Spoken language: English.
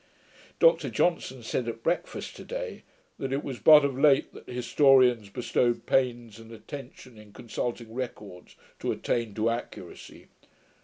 Dr Johnson said at breakfast to day, 'that it was but of late that historians bestowed pains and attention in consulting records, to attain to accuracy.